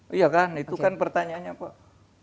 iya kan itu kan pertanyaannya pak